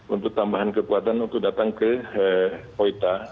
untuk tambahan kekuatan untuk datang ke oita